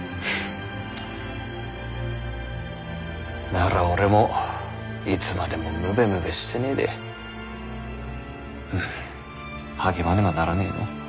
なら俺もいつまでもムベムベしてねぇで励まねばならねぇのう。